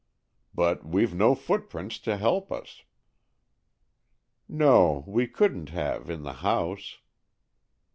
"But we've no footprints to help us." "No, we couldn't have, in the house."